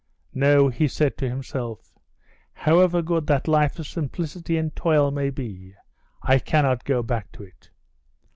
"No," he said to himself, "however good that life of simplicity and toil may be, I cannot go back to it.